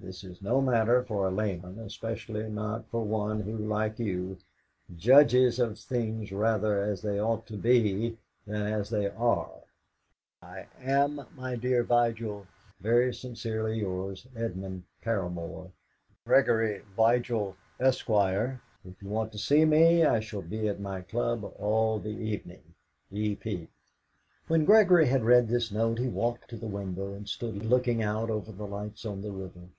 This is no matter for a layman, especially not for one who, like you, judges of things rather as they ought to be than as they are. "I am, my dear Vigil, "Very sincerely yours, "EDMUND PARAMOR. "GREGORY VIGIL, ESQ. "If you want to see me, I shall be at my club all the evening. E. P." When Gregory had read this note he walked to the window, and stood looking out over the lights on the river.